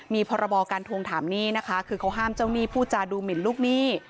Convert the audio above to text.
มีพรบการทวงถามหนี้นะคะคือเขาห้ามเจ้าหนี้ผู้จาดูหมินลูกหนี้